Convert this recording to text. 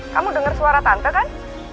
kamu dengar suara tante kan